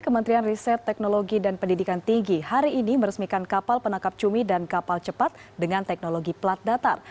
kementerian riset teknologi dan pendidikan tinggi hari ini meresmikan kapal penangkap cumi dan kapal cepat dengan teknologi plat datar